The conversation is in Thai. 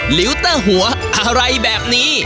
ลิวเตอร์หัวอะไรแบบนี้